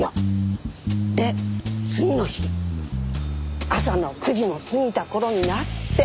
で次の日朝の９時も過ぎた頃になって。